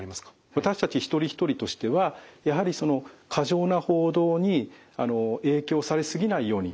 私たち一人一人としてはやはりその過剰な報道に影響され過ぎないように気を付けないといけない。